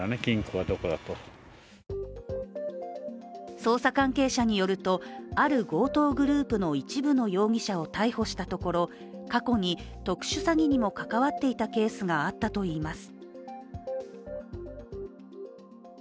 捜査関係者によると、ある強盗グループの一部の容疑者を逮捕したところ、過去に特殊詐欺にも関わっていたケースがあったといいます。